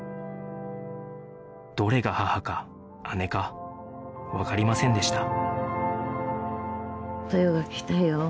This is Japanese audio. どれが母か姉かわかりませんでした